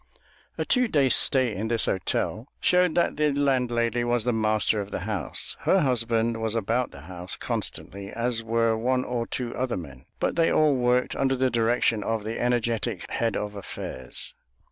A two days' stay in this hotel showed that the landlady was the master of the house. Her husband was about the house constantly, as were one or two other men, but they all worked under the direction of the energetic head of affairs.